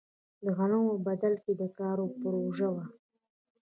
د غنمو بدل کې کار پروژه وه.